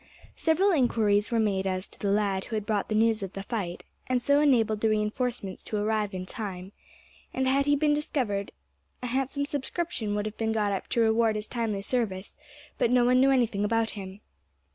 Several inquiries were made as to the lad who had brought the news of the fight, and so enabled the reinforcements to arrive in time; and had he been discovered a handsome subscription would have been got up to reward his timely service, but no one knew anything about him.